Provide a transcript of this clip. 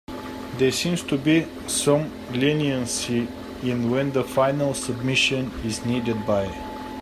There seems to be some leniency in when the final submission is needed by.